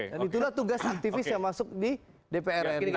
dan itulah tugas aktivis yang masuk di dprn ini